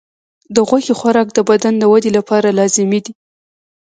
د غوښې خوراک د بدن د ودې لپاره لازمي دی.